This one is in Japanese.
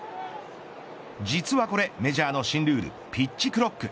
実はこれメジャーの新ルールピッチクロック。